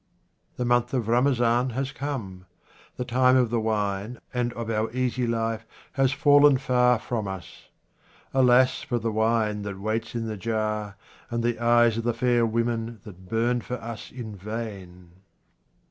The month of Ramazan has come. The time of the wine and of our easy life has fallen far from us. Alas for the wine that waits in the jar, and the eyes of the fair women that burn for us in vain